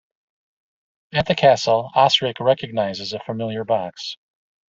At the castle, Osric recognizes a familiar box.